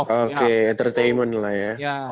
oke entertainment lah ya